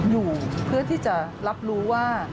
อยู่ทธิ์ที่จะรับรู้ว่า